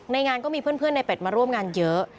งานก็มีเพื่อนในเป็ดมาร่วมงานเยอะ